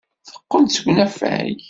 Teqqel-d seg unafag.